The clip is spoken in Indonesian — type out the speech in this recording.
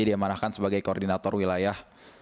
diamarahkan sebagai koordinator wilayah